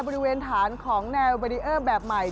บริเวณฐานของแนวเบรีเออร์แบบใหม่